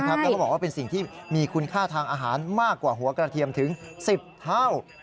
แล้วก็บอกว่าเป็นสิ่งที่มีคุณค่าทางอาหารมากกว่าหัวกระเทียมถึง๑๐เท่า